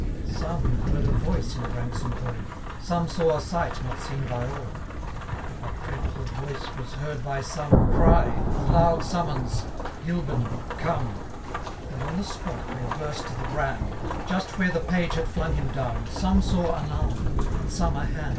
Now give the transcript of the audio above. Some heard a voice in Branksome Hall, Some saw a sight, not seen by all ; That dreadful voice was heard by some. Cry, with loud summons, " Gvlbin, comb *" K Digitized by VjOOQIC 144 THS LAY OF Conto VI And on the spot where bunt the bnmd. Just where the page had flung him down. Some saw an aim, and some a hand.